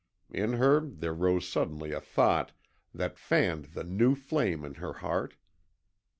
In her there rose suddenly a thought that fanned the new flame in her heart.